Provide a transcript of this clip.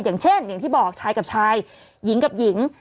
อย่างเช่นอย่างที่บอกชายกับชายหญิงกับหญิง